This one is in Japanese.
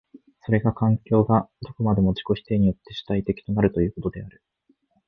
それが環境がどこまでも自己否定によって主体的となるということである。